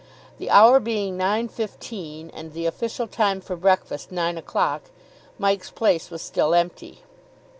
The hour being nine fifteen, and the official time for breakfast nine o'clock, Mike's place was still empty.